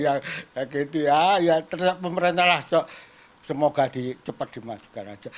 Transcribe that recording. ya gitu ya ya terlalu pemerintah lah